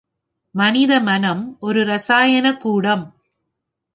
மனிதமனம் ஒரு ரசாயனக் கூடம்.